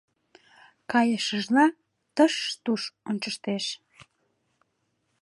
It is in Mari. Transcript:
Кайышыжла тыш-туш ончыштеш.